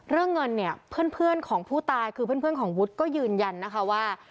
เรื่องเงินเนี่ยเพื่อนของผู้ตายคือเพื่อนของวุฒิก็ยืนยันนะคะว่า